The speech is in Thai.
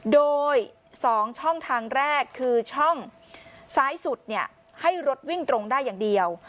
โดย๒ช่องทางแรกคือช่องซ้ายสุดให้รถวิ่งตรงได้อย่างเดียว